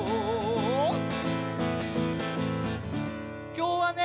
きょうはね